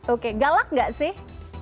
oke galak gak sih